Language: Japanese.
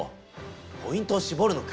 ポイントをしぼるのか。